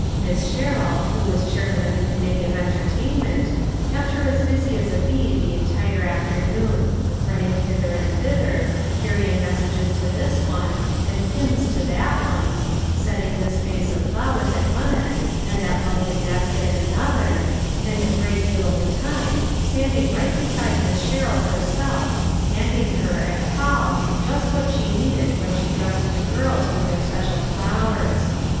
Miss Sherrill, who was chairman of the committee of entertainment, kept her as busy as a bee the entire afternoon ; running hither and thither, carrying messages to this one, and pins to that one, setting this vase of flowers at one end, and that lovely basket at another, and, a great deal of the time, stand in g right beside Miss Sherrill * o o herself, handing her, at call, just what she needed when she dressed the girls with their special flowers.